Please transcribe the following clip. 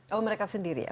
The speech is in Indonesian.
oh mereka sendiri ya